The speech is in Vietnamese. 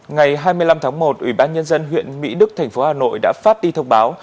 ngày hai mươi năm tháng một ủy ban nhân dân huyện mỹ đức thành phố hà nội đã phát đi thông báo